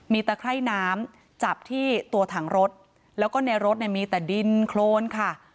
มีตะไคร่น้ำจับที่ตัวถังรถแล้วก็ในรถเนี่ยมีแต่ดินโครนค่ะ